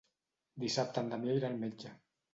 Dissabte en Damià irà al metge.